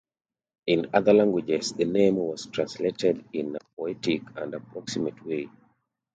In other languages the name was translated in a poetic and approximate way.